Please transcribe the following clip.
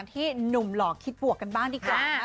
ที่หนุ่มหล่อคิดบวกกันบ้างดีกว่านะ